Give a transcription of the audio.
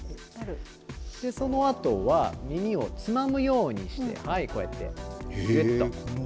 そのあとは耳をつまむようにして、こうやってぎゅっと。